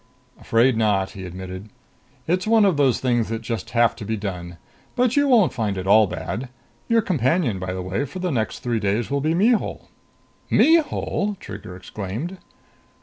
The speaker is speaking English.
"Afraid not," he admitted. "It's one of those things that just have to be done. But you won't find it all bad. Your companion, by the way, for the next three days will be Mihul." "Mihul!" Trigger exclaimed.